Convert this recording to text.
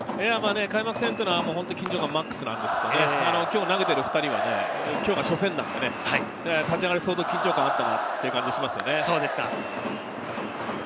開幕戦は緊張感マックスなんですけれど、今日投げている２人は今日が初戦なので立ち上がりは相当、緊張感があったと思います。